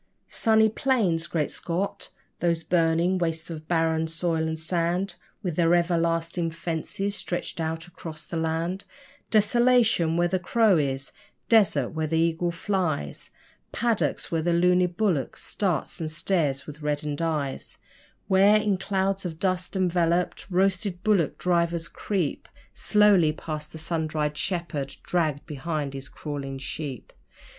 'Sunny plains'! Great Scott! those burning wastes of barren soil and sand With their everlasting fences stretching out across the land! Desolation where the crow is! Desert where the eagle flies, Paddocks where the luny bullock starts and stares with reddened eyes; Where, in clouds of dust enveloped, roasted bullock drivers creep Slowly past the sun dried shepherd dragged behind his crawling sheep.